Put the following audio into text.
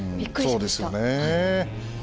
そうですよね。